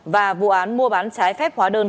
và vụ án mua bán trái phép hóa đơn